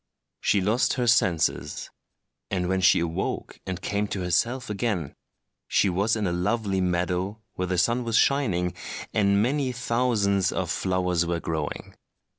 She lost her senses; and when she awoke and came to herself again, she was in a lovely meadow where the sun was shining and many thousands of flowers were growing.